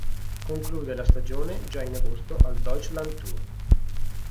Conclude la stagione già in agosto al Deutschland Tour.